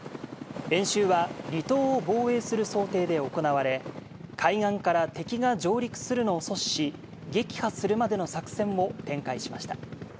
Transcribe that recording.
演習は離島を防衛する想定で行われ、海岸から敵が上陸するのを阻止し、撃破するまでの作戦を展開しました。